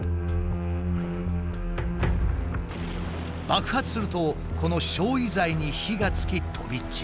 爆発するとこの焼夷剤に火がつき飛び散る。